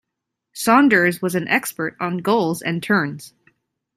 Saunders was an expert on gulls and terns.